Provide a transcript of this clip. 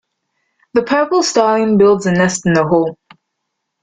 The purple starling builds a nest in a hole.